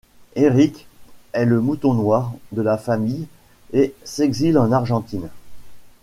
Erik est le mouton noir de la famille et s'exile en Argentine.